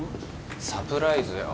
サプライズよ。